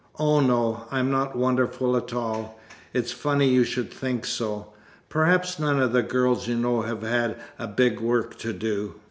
"Oh no, I'm not wonderful at all. It's funny you should think so. Perhaps none of the girls you know have had a big work to do."